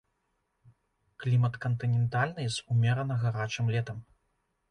Клімат кантынентальны з умерана гарачым летам.